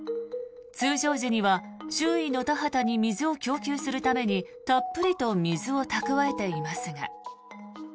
通常時には周囲の田畑に水を供給するためにたっぷりと水を蓄えていますが。